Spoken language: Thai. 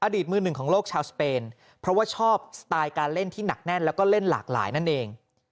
มือหนึ่งของโลกชาวสเปนเพราะว่าชอบสไตล์การเล่นที่หนักแน่นแล้วก็เล่นหลากหลายนั่นเอง